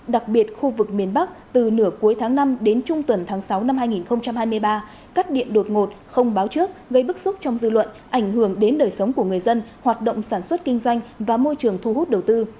đặc biệt khu vực miền bắc từ nửa cuối tháng năm đến trung tuần tháng sáu năm hai nghìn hai mươi ba cắt điện đột ngột không báo trước gây bức xúc trong dư luận ảnh hưởng đến đời sống của người dân hoạt động sản xuất kinh doanh và môi trường thu hút đầu tư